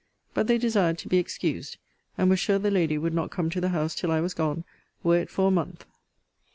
But they desired to be excused; and were sure the lady would not come to the house till I was gone, were it for a month.